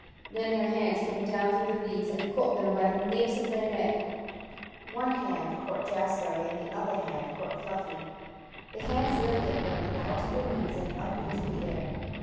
Then her hands came down through the weeds, and caught them by the napes of their necks. One hand caught Jazbury and the other hand caught Fluffy. The hands lifted them out of the weeds and up into the air.